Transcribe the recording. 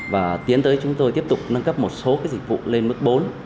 và tiến tới chúng tôi tiếp tục nâng cấp một số dịch vụ lên mức bốn